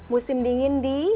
musim dingin di